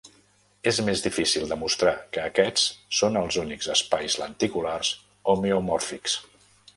És més difícil demostrar que aquests són els únics espais lenticulars homeomòrfics.